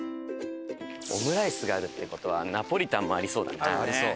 オムライスがあるっていう事はナポリタンもありそうだな。